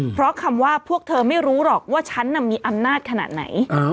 เพราะคำว่าพวกเธอไม่รู้หรอกว่าฉันมีอำนาจขนาดไหน